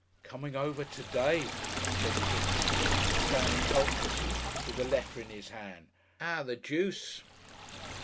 "Comin' over to day," said Kipps, standing helplessly with the letter in his hand. "'Ow, the Juice